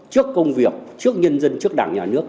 trước công việc trước nhân dân trước đảng nhà nước